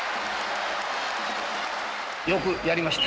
よくやりました。